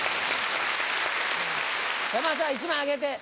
山田さん１枚あげて。